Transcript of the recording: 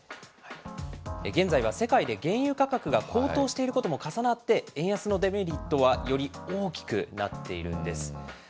現在は世界で原油価格が高騰していることも重なって、円安のデメリットはより大きくなっているんです。